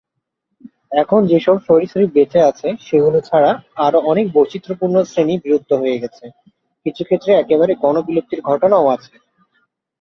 এখন যেসব সরীসৃপ বেচে আছে সেগুলো ছাড়াও আরো অনেক বৈচিত্রপূর্ণ শ্রেণী বিলুপ্ত হয়ে গেছে, কিছু ক্ষেত্রে একেবারে গণ-বিলুপ্তির ঘটনাও আছে।